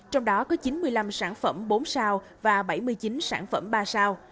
trong đó có chín mươi năm sản phẩm bốn sao và bảy mươi chín sản phẩm ba sao